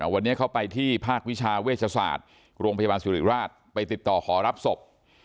วันนี้เขาไปที่ภาควิชาเวชศาสตร์โรงพยาบาลสุริราชไปติดต่อขอรับศพ